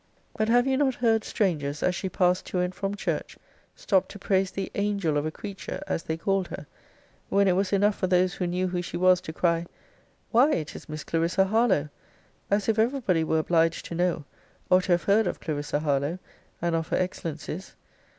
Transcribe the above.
But have you not heard strangers, as she passed to and from church, stop to praise the angel of a creature, as they called her; when it was enough for those who knew who she was, to cry, Why, it is Miss Clarissa Harlowe! as if every body were obliged to know, or to have heard of Clarissa Harlowe, and of her excellencies.